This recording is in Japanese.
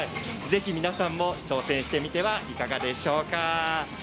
ぜひ皆さんも挑戦してみてはいかがでしょうか。